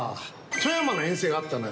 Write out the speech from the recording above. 富山の遠征があったのよ。